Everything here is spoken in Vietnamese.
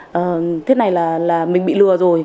tôi nghĩ rằng thế này là mình bị lừa rồi